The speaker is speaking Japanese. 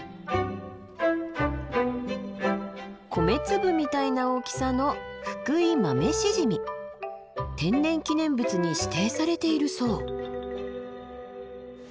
米粒みたいな大きさの天然記念物に指定されているそう。